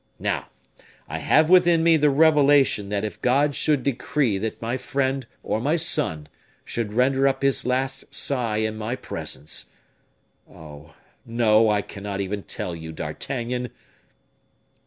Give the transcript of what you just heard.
Now, I have within me the revelation that if God should decree that my friend or my son should render up his last sigh in my presence oh! no, I cannot even tell you, D'Artagnan!"